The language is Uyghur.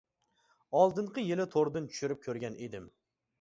ئالدىنقى يىلى توردىن چۈشۈرۈپ كۆرگەن ئىدىم.